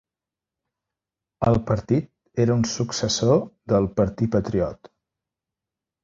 El partit era un successor del "Parti Patriote".